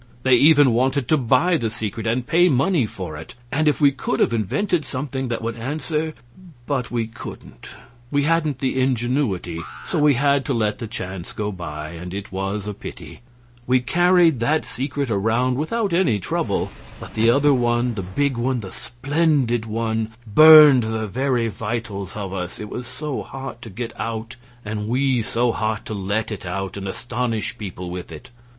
They even wanted to buy the secret, and pay money for it; and if we could have invented something that would answer but we couldn't; we hadn't the ingenuity, so we had to let the chance go by, and it was a pity. We carried that secret around without any trouble, but the other one, the big one, the splendid one, burned the very vitals of us, it was so hot to get out and we so hot to let it out and astonish people with it.